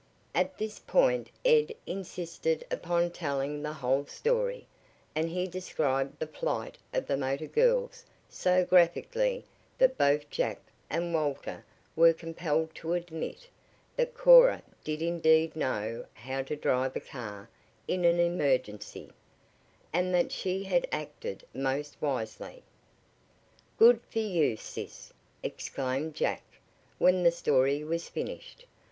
At this point Ed insisted upon telling the whole story, and he described the plight of the motor girls so graphically that both Jack and Walter were compelled to admit that Cora did indeed know how to drive a car in an emergency, and that she had acted most wisely. "Good for you, sis!" exclaimed Jack, when the story Was finished.